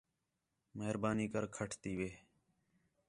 مہربانی کر کھٹ تی وِہ